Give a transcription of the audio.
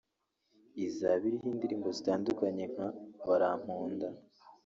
Izaba iriho indirimbo zitandukanye nka Baramponda